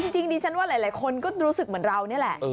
จริงดิฉันว่าหลายคนก็รู้สึกเหมือนเรานี่แหละ